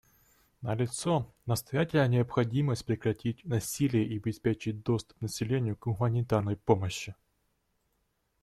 Налицо настоятельная необходимость прекратить насилие и обеспечить доступ населения к гуманитарной помощи.